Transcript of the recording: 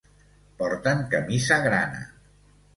Porten camisa grana.